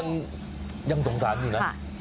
ก้อยังสงสารอยู่น่ะ